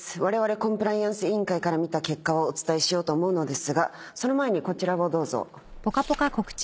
コンプライアンス委員会から見た結果をお伝えしようと思うのですがその前にこちらをどうぞ。